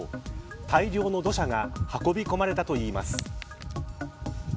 大量の土砂が運び込まれたといいます。